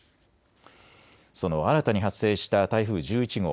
その新たに発生した台風１１号。